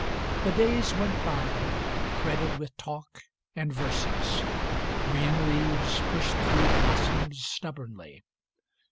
The days went by Threaded with talk and verses. Green leaves pushed Through blossoms stubbornly.